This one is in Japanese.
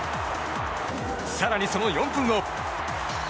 更に、その４分後。